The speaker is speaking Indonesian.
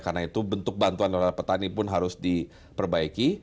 karena itu bentuk bantuan dari petani pun harus diperbaiki